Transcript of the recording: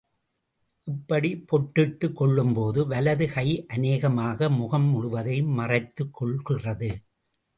இப்படிப் பொட்டிட்டுக் கொள்ளும் போது, வலது கை அநேகமாக முகம் முழுவதையும் மறைத்துக் கொள்கிறது.